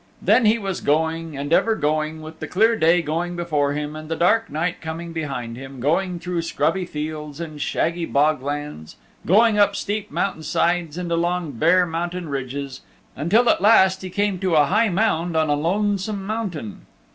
Then he was going and ever going with the clear day going before him and the dark night coming behind him, going through scrubby fields and shaggy bog lands, going up steep mountain sides and along bare mountain ridges, until at last he came to a high mound on a lonesome mountain.